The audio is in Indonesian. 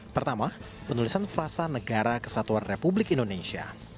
pertama penulisan frasa negara kesatuan republik indonesia